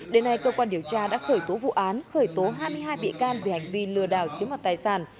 đến nay cơ quan điều tra đã khởi tố vụ án khởi tố hai mươi hai bị can vì hành vi lừa đào chiếm hoạt tài sản